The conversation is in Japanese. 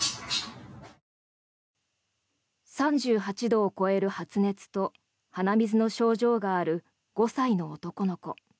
３８度を超える発熱と鼻水の症状がある５歳の男の子。